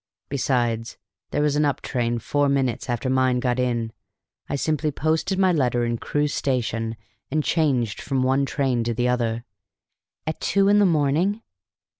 Besides, there was an up train four minutes after mine got in. I simply posted my letter in Crewe station, and changed from one train to the other." "At two in the morning!"